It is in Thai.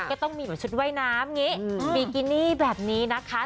ก็ต้องมีชุดว่ายน้ำบีกินี่แบบนี้นะคะ